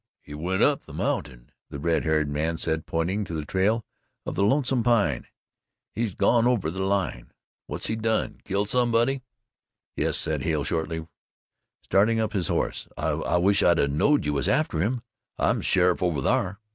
"He went up the mountain," the red haired man said, pointing to the trail of the Lonesome Pine. "He's gone over the line. Whut's he done killed somebody?" "Yes," said Hale shortly, starting up his horse. "I wish I'd a knowed you was atter him. I'm sheriff over thar."